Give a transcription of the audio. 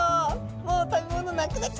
もう食べ物なくなっちゃってるよ」